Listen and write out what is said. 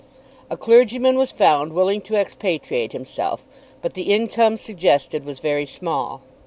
A clergyman was found willing to expatriate himself, but the income suggested was very small.